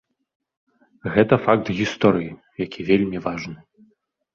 Гэта факт гісторыі, які вельмі важны.